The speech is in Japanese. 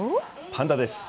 パンダです。